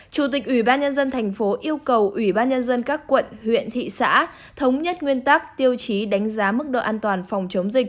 chủ tịch ủy ban nhân dân thành phố yêu cầu ủy ban nhân dân các quận huyện thị xã thống nhất nguyên tắc tiêu chí đánh giá mức độ an toàn phòng chống dịch